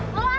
lo apa sih